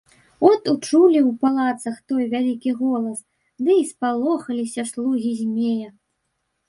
От учулі ў палацах той вялікі голас ды і спалохаліся слугі змея.